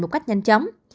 một cách nhanh chóng